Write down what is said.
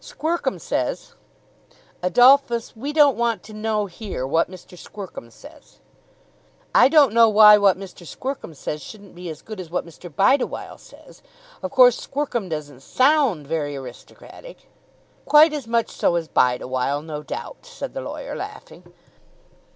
Squercum says " "Adolphus, we don't want to know here what Mr. Squercum says." "I don't know why what Mr. Squercum says shouldn't be as good as what Mr. Bideawhile says. Of course Squercum doesn't sound very aristocratic." "Quite as much so as Bideawhile, no doubt," said the lawyer laughing.